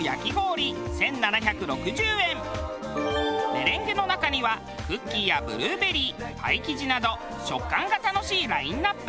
メレンゲの中にはクッキーやブルーベリーパイ生地など食感が楽しいラインアップ。